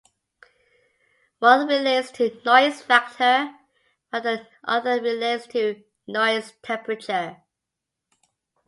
One relates to noise factor while the other relates to noise temperature.